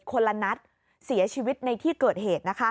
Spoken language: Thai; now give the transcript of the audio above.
คนละนัดเสียชีวิตในที่เกิดเหตุ